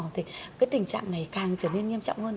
thì cái tình trạng này càng trở nên nghiêm trọng hơn